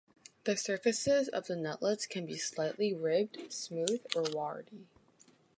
The surfaces of the nutlets can be slightly ribbed, smooth or warty.